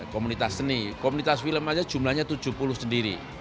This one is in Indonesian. komunitas seni komunitas film aja jumlahnya tujuh puluh sendiri